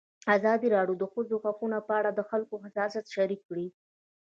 ازادي راډیو د د ښځو حقونه په اړه د خلکو احساسات شریک کړي.